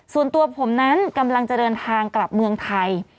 ส่วนตัวผมนั้นกำลังจะเดินทางกลับเมืองไทย